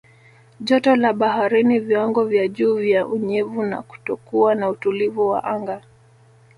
Joto la baharini viwango vya juu vya unyevu na kutokuwa na utulivu wa anga